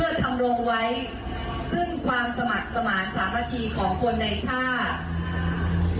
เพื่อทำลงไว้ซึ่งความสมัครสมาธิสามารถของคนในชาติ